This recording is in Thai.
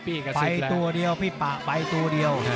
ไปตัวเดียวพี่ปะไปตัวเดียว